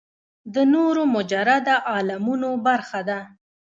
د نورو مجرده عالمونو برخه ده.